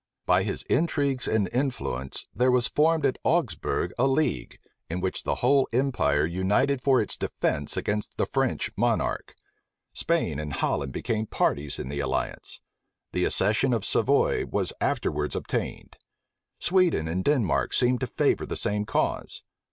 By his intrigues and influence, there was formed at Augsbourg a league, in which the whole empire united for its defence against the French monarch. Spain and Holland became parties in the alliance. The accession of Savoy was afterwards obtained. Sweden and Denmark seemed to favor the same cause.